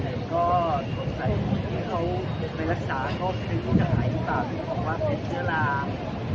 และก็ถึงที่เขาไปรักษาเขาคือจ่ายต่างจากความเป็นเชื้อหลาก